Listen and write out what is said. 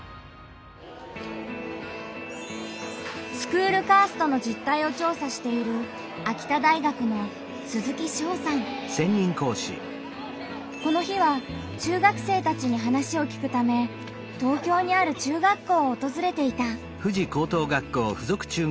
スクールカーストの実態を調査しているこの日は中学生たちに話を聞くため東京にある中学校をおとずれていた。